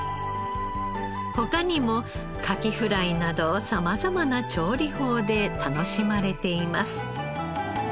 他にもカキフライなど様々な調理法で楽しまれています。